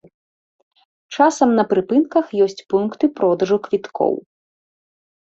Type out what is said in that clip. Часам на прыпынках ёсць пункты продажу квіткоў.